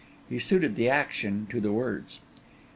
He suited the action to the words.